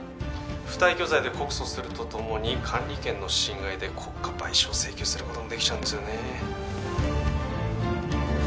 不退去罪で告訴するとともに管理権の侵害で国家賠償請求することもできちゃうんですよね